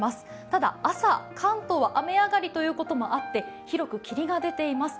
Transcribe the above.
ただ、朝、関東は雨上がりということもあって広く霧が出ています。